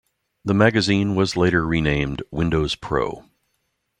The magazine was later renamed "Windows Pro".